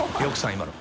今の。